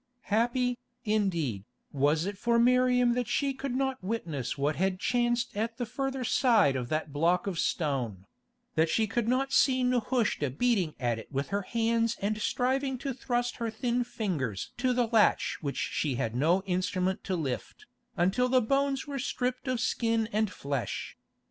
Happy, indeed, was it for Miriam that she could not witness what had chanced at the further side of that block of stone; that she could not see Nehushta beating at it with her hands and striving to thrust her thin fingers to the latch which she had no instrument to lift, until the bones were stripped of skin and flesh.